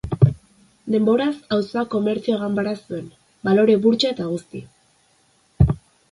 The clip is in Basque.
Denboraz auzoak komertzio-ganbara zuen, balore-burtsa eta guztiz.